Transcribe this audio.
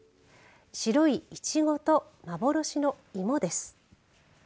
白いいちごと幻の芋です。